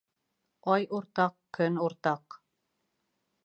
Ай уртаҡ, көн уртаҡ